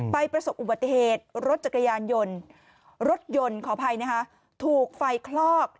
ประสบอุบัติเหตุรถจักรยานยนต์รถยนต์ขออภัยนะคะถูกไฟคลอก